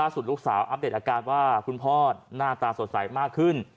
สุดลูกสาวอัปเดตอาการว่าคุณพ่อหน้าตาสดใสมากขึ้น